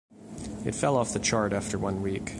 It fell off the chart after one week.